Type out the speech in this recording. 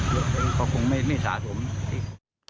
เมื่อถึงเวลาที่